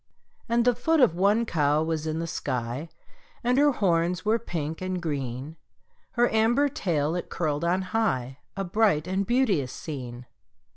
And the foot of one cow was in the sky, And her horns were pink and green; Her amber tail it curled on high A bright and beauteous scene.